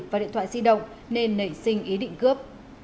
và điện thoại di động nên nảy sinh ý định cướp